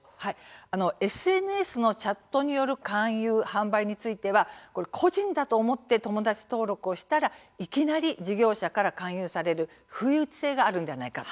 ＳＮＳのチャット勧誘販売については個人だと思って友達登録したらいきなり事業者から勧誘される不意打ち性があるんではないか。